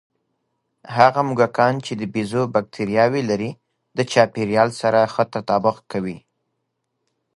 هغه موږکان چې د بیزو بکتریاوې لري، د چاپېریال سره ښه تطابق کوي.